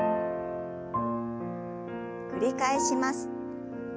繰り返します。